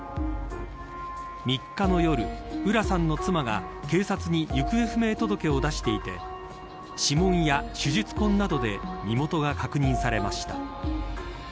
３日の夜、浦さんの妻が警察に行方不明届を出していて指紋や手術痕などで身元が確認されました。